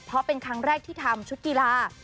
เพราะเป็นครั้งแรกที่ทำชุดกีฬา